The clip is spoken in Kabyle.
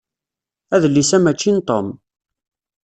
Adlis-a mačči n Tom.